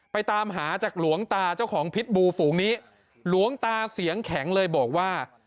ตามหาจากหลวงตาเจ้าของพิษบูฝูงนี้หลวงตาเสียงแข็งเลยบอกว่า